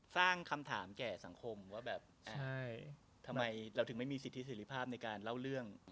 สร้างคำถามแก่สังคมว่าแบบทำไมเราถึงไม่มีสิทธิเสร็จภาพในการเล่าเรื่อง